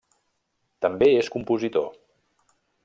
També és compositor.